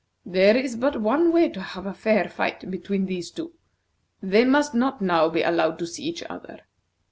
There is but one way to have a fair fight between these two. They must not now be allowed to see each other.